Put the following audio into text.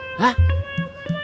kang dadang kabur